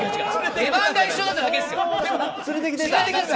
出番が一緒だっただけですよ。